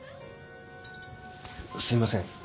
すいません。